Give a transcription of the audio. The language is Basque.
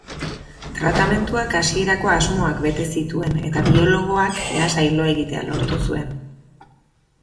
Tratamenduak hasierako asmoak bete zituen eta biologoak lasai lo egitea lortu zuen.